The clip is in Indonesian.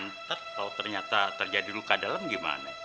ntar kalau ternyata terjadi luka dalam gimana